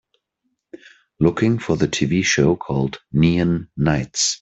Looking for the TV show called Neon Nights